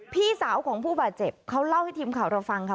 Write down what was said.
พี่สาวของผู้บาดเจ็บเขาเล่าให้ทีมข่าวเราฟังค่ะ